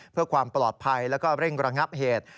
เพื่อความปลอดภัยแล้วก็เร่งระงับเหตุ